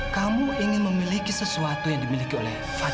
kamu ingin memiliki sesuatu yang dimiliki oleh fadli